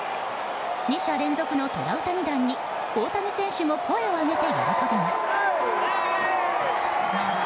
２者連続のトラウタニ弾に大谷選手も声を上げて喜びます。